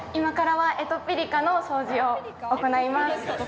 エトピリカの掃除を行います。